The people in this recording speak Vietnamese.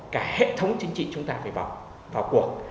cả hệ thống chính trị chúng ta phải vào cuộc